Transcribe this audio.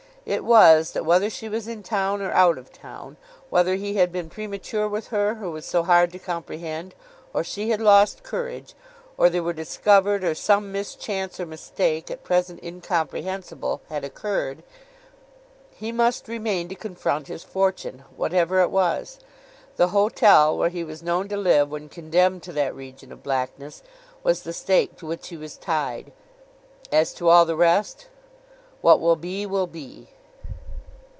It was, that whether she was in town or out of town, whether he had been premature with her who was so hard to comprehend, or she had lost courage, or they were discovered, or some mischance or mistake, at present incomprehensible, had occurred, he must remain to confront his fortune, whatever it was. The hotel where he was known to live when condemned to that region of blackness, was the stake to which he was tied. As to all the rest—What will be, will be.